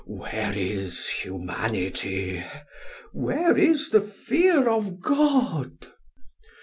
Where is humanity? Where is the fear of God?